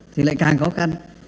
thì lại càng khó khăn